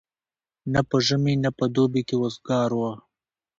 نه په ژمي نه په دوبي کي وزګار وو